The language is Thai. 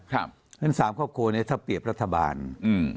เพราะฉะนั้นสามครอบครัวเนี้ยถ้าเปรียบรัฐบาลอืม